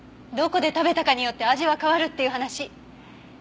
どこで食べたかによって味は変わるっていう話。